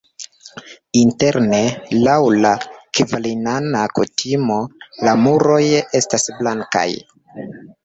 Interne laŭ la kalvinana kutimo la muroj estas blankaj.